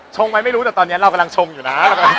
ไหมไม่รู้แต่ตอนนี้เรากำลังชมอยู่นะ